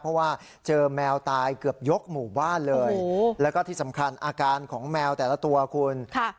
เพราะว่าเจอแมวตายเกือบยกหมู่บ้านเลยแล้วก็ที่สำคัญอาการของแมวแต่ละตัวคุณ